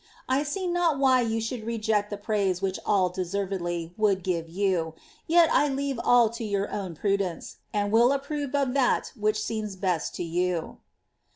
I see not why you should reject the praise which all de servedly would give you ; yet I leave all to your own prudence, and will approve of tiiat which seems best to you."'